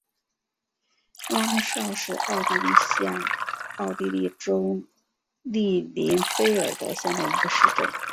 拉姆绍是奥地利下奥地利州利林费尔德县的一个市镇。